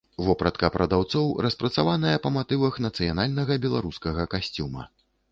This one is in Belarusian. Вопратка прадаўцоў распрацаваная па матывах нацыянальнага беларускага касцюма.